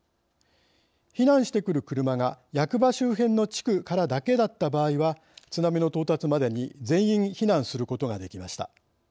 避難してくる車が役場周辺の地区からだけだった場合は津波の到達までに全員避難することができました。